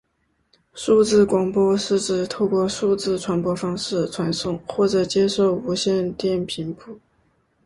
数字广播是指透过数字传播方式传送或者接收无线电频谱。